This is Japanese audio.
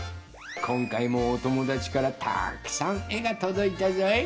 こんかいもおともだちからたくさんえがとどいたぞい。